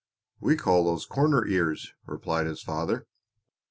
"We call those corners ears," replied his father.